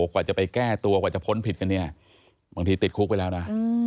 กว่าจะไปแก้ตัวกว่าจะพ้นผิดกันเนี่ยบางทีติดคุกไปแล้วนะ